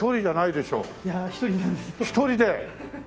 １人で！